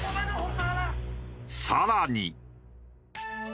さらに。